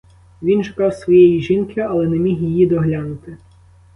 Він шукав своєї жінки, але не міг її доглянути.